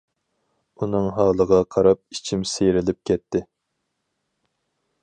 ئۇنىڭ ھالىغا قاراپ ئىچىم سىيرىلىپ كەتتى.